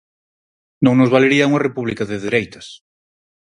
Non nos valería unha república de dereitas.